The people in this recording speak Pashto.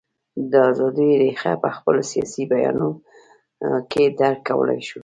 د ازادیو رېښه په خپلو سیاسي بیانیو کې درک کولای شو.